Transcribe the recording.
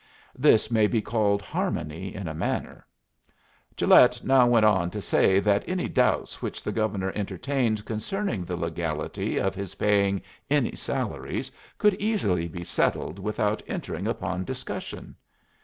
This may be called harmony in a manner. Gilet now went on to say that any doubts which the Governor entertained concerning the legality of his paying any salaries could easily be settled without entering upon discussion.